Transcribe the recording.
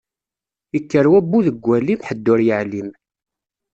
Ikker wabbu deg walim, ḥedd ur yeɛlim.